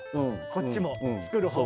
こっちも作る方も。